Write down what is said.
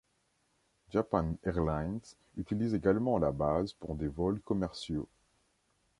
Japan Airlines utilise également la base pour des vols commerciaux.